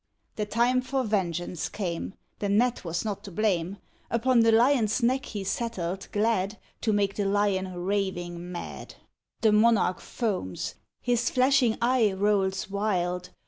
The time for vengeance came; The Gnat was not to blame. Upon the Lion's neck he settled, glad To make the Lion raving mad; The monarch foams: his flashing eye Rolls wild.